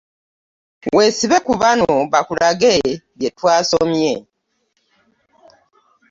Weesibe ku banno bakulage bye twasomye.